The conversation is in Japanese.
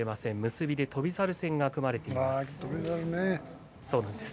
結びで翔猿戦が組まれています。